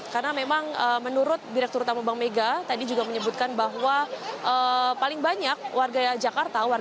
karena memang menurut direktur tamu bank mega tadi juga menyebutkan bahwa paling banyak warga jakarta